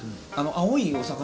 青いお魚。